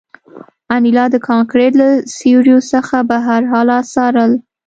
انیلا د کانکریټ له سوریو څخه بهر حالات څارل